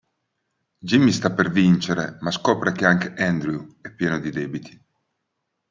Jimmy sta per vincere, ma scopre che anche Andrew è pieno di debiti.